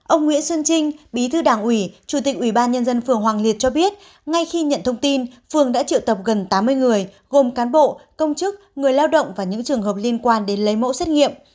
ông nguyễn xuân trinh bí thư đảng ủy chủ tịch ủy ban nhân dân phường hoàng liệt cho biết ngay khi nhận thông tin phường đã triệu tập gần tám mươi người gồm cán bộ công chức người lao động và những trường hợp liên quan đến lấy mẫu xét nghiệm